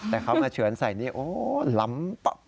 แต่เขามาเฉินใส่นี่โอ๊ยลำป๊อป๊อ